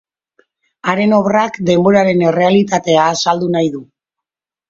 Haren obrak denboraren errealitatea azaldu nahi du.